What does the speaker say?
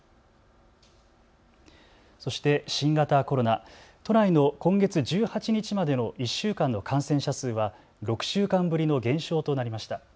そして新型コロナ、都内の今月１８日までの１週間の感染者数は６週間ぶりの減少となりました。